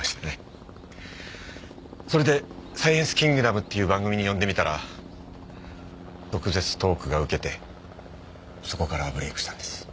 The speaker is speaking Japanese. それで『サイエンスキングダム』っていう番組に呼んでみたら毒舌トークが受けてそこからブレークしたんです。